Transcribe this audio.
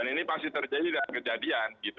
ini pasti terjadi dan kejadian